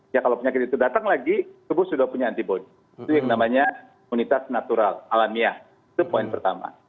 ya kalau penyakit itu datang lagi tubuh sudah punya antibody itu yang namanya imunitas natural alamiah itu poin pertama